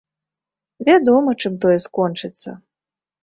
Вядома, чым тое скончыцца.